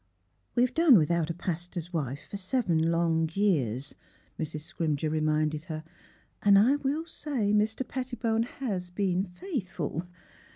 " We've done without a paster's wife for seven long years," Mrs. Scrimger reminded her, " and I will say Mr. Pettibone has been faithful.